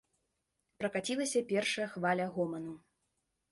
Пракацілася першая хваля гоману.